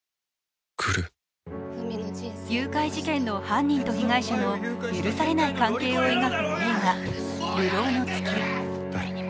誘拐事件の犯人と被害者の許されない関係を描く映画「流浪の月」。